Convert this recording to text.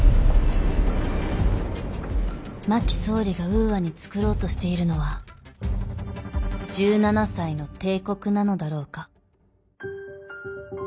真木総理がウーアに創ろうとしているのは１７才の帝国なのだろうか。